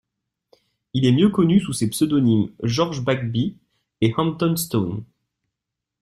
Il est mieux connu sous ses pseudonymes George Bagby et Hampton Stone.